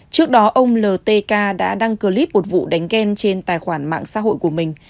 trước đó ông l t k đã đăng clip một vụ đánh ghen trên tài khoản mạng xã hội của mình